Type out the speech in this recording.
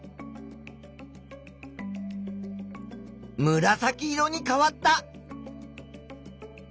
むらさき色に変わった。